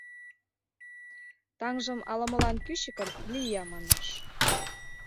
Таҥжым ала-молан кӱчыкын «Лия» манеш.